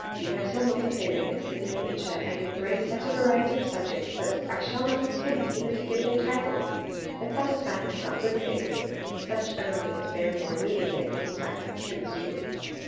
They are so multifarious in their nature, and embrace ^ch a variety of subjects, that I shall not attempt even to give their titles, but satisfy myself with stating such only as bear more immediately upon the science of chemistry.